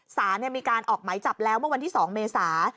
สารมีการออกไหมจับแล้วเมื่อวันที่๒เมษา